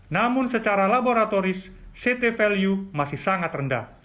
namun secara laboratoris ct value masih sangat rendah